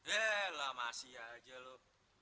eh lah masih aja lu